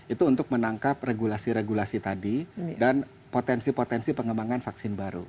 itu untuk menangkap regulasi regulasi tadi dan potensi potensi pengembangan vaksin baru